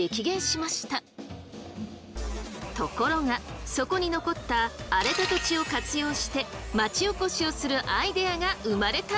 ところがそこに残った荒れた土地を活用して町おこしをするアイデアが生まれたんです。